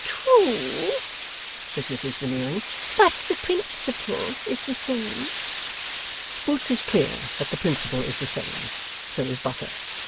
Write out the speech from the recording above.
'True,' says Mrs Veneering, 'but the principle is the same.' Boots is clear that the principle is the same. So is Buffer.